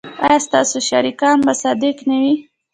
ایا ستاسو شریکان به صادق نه وي؟